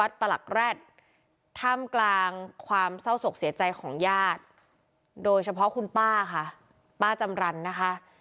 ท่ามกลางความเศร้าส่งเสียใจของญาติโดยเฉพาะคุณป้าค่ะป้าจำรันนะคะ